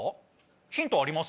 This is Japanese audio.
ヒントあります？